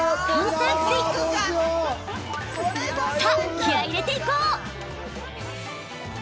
気合い入れていこう！